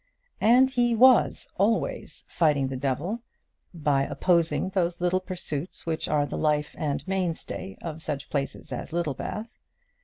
And he was always fighting the devil by opposing those pursuits which are the life and mainstay of such places as Littlebath.